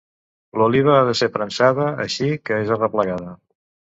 L'oliva ha de ser premsada així que és arreplegada.